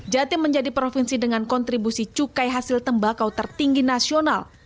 jatim menjadi provinsi dengan kontribusi cukai hasil tembakau tertinggi nasional